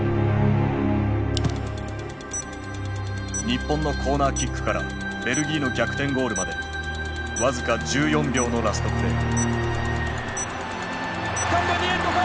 日本のコーナーキックからベルギーの逆転ゴールまで僅か１４秒のラストプレー。